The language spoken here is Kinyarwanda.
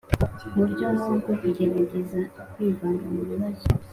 Mu buryo nk ubwo kugerageza kwivanga mu bibazo